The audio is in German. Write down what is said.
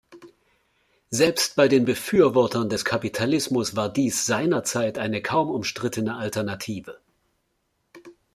Selbst bei den Befürwortern des Kapitalismus war dies seinerzeit eine kaum umstrittene Alternative.